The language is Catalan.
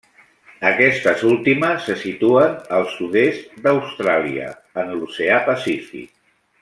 Aquestes últimes se situen al sud-est d'Austràlia, en l'Oceà Pacífic.